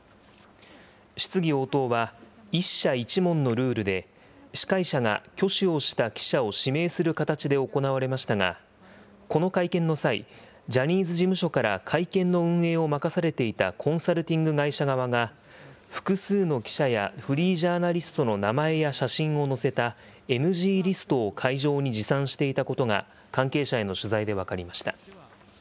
質疑応答は１社１問のルールで、司会者が挙手をした記者を指名する形で行われましたが、この会見の際、ジャニーズ事務所から会見の運営を任されていたコンサルティング会社側が、複数の記者やフリージャーナリストの名前や写真を載せたＮＧリストを会場に持参していたことが、関係者への取材で分かりました。